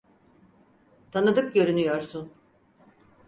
Tanıdık görünüyorsun.